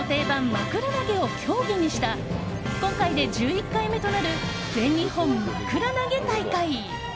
まくら投げを競技にした今回で１１回目となる全日本まくら投げ大会。